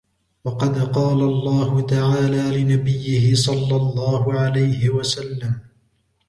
وَقَدْ قَالَ اللَّهُ تَعَالَى لِنَبِيِّهِ صَلَّى اللَّهُ عَلَيْهِ وَسَلَّمَ